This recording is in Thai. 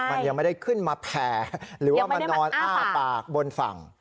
มันยังไม่ได้ขึ้นมาแผ่หรือว่ามานอนอ้าปากบนฝั่ง